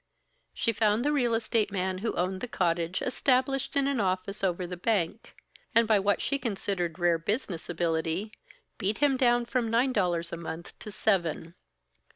She found the real estate man who owned the cottage established in an office over the bank; and by what she considered rare business ability, beat him down from nine dollars a month to seven.